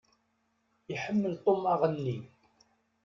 Iḥemmel Tom aɣenni.